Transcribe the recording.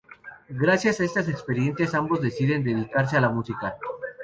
Gracias a estas experiencias ambos deciden dedicarse a la música.